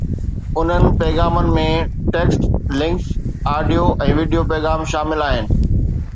انهن پيغامن ۾ text, links, audio ۽ video پيغام شامل آهن